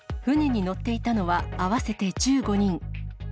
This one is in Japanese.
船に乗っていたのは合わせて１５人。